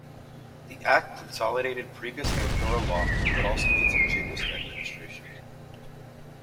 The Act consolidated previous electoral law, but also made some changes to administration.